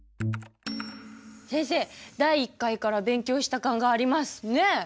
先生第１回から勉強した感があります。ねぇ！